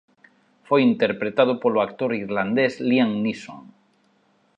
Foi interpretado polo actor irlandés Liam Neeson.